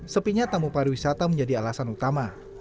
sepinya tamu pariwisata menjadi alasan utama